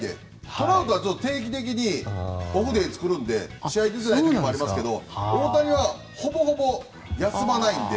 トラウトは定期的にオフデーを作るんで試合に出ないことありますが大谷はほぼほぼ休まないので。